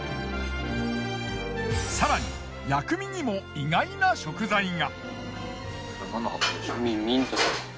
さらに薬味にも意外な食材が。